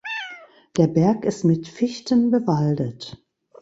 Der Berg ist mit Fichten bewaldet.